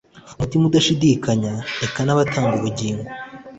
umutima udashidikanya; eka n'abatanga ubugingo